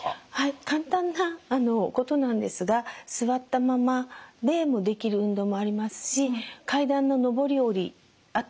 簡単なことなんですが座ったままでもできる運動もありますし階段の上り下りあと